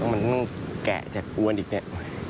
มันต้องแกะจากอวนอีกเนี่ย